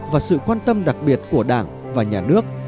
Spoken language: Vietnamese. và sự quan tâm đặc biệt của đảng và nhà nước